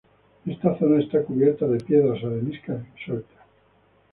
Esta zona está cubierta de piedras areniscas sueltas.